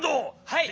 はい。